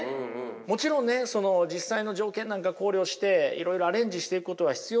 もちろんねその実際の条件なんか考慮していろいろアレンジしていくことは必要でしょう。